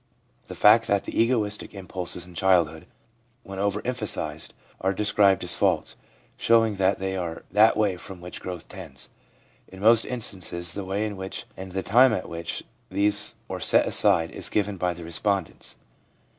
The fact that the egoistic impulses in childhood, when over emphasised, are de scribed as faults, shows that they are that away from which growth tends. In most instances the way in which and the time at which these were set aside is given by the respondents.